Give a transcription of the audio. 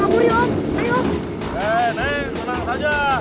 neng senang saja